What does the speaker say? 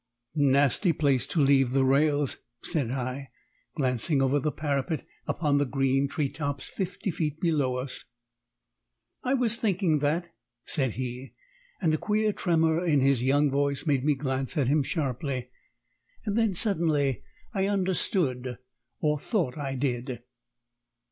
"Nasty place to leave the rails," said I, glancing over the parapet upon the green tree tops fifty feet below us." "I was thinking that," said he, and a queer tremor in his young voice made me glance at him sharply. Then suddenly I understood or thought I did.